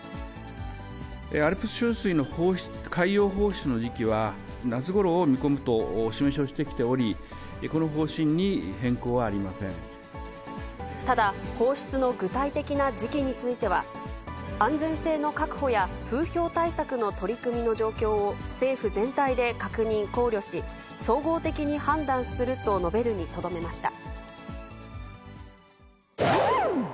アルプス処理水の海洋放出の時期は、夏ごろを見込むとお示しをしてきており、この方針に変更ただ、放出の具体的な時期については、安全性の確保や風評対策の取り組みの状況を政府全体で確認、考慮し、総合的に判断すると述べるにとどめました。